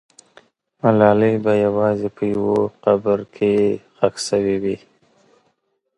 ملالۍ به یوازې په یو قبر کې ښخ سوې وي.